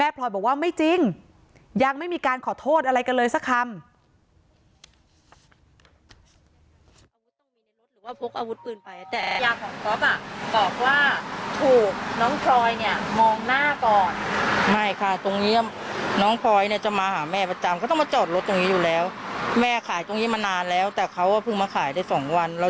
พลอยบอกว่าไม่จริงยังไม่มีการขอโทษอะไรกันเลยสักคำ